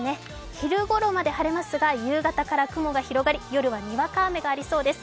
昼ごろまで晴れますが夕方ごろから雲が広がり夜はにわか雨がありそうです。